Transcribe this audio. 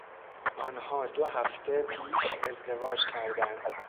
آنها دو هفته پیش ازدواج کردند.